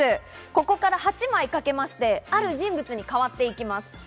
ここから８枚かけまして、ある人物に変わっていきます。